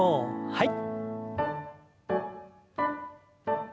はい。